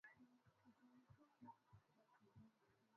Mtoto amesimama